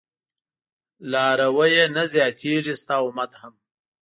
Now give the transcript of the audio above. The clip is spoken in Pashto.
لارويه نه زياتېږي ستا امت هم